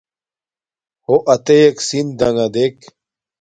ہݸ اتݵَک سندݳݣݳ دݵک.